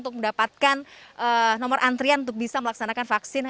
untuk mendapatkan nomor antrian untuk bisa melaksanakan vaksin